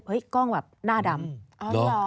เฮ้ยกล้องแบบหน้าดำ